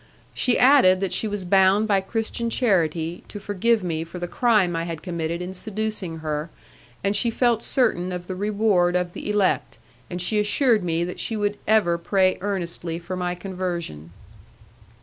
She added that she was bound by Christian charity to forgive me for the crime I had committed in seducing her, and she felt certain of the reward of the elect, and she assured me that she would ever pray earnestly for my conversion.